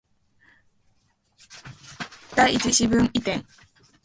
第一四分位点